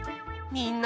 みんな